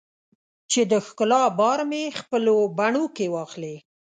چې د ښکلا بار مې خپلو بڼو کې واخلې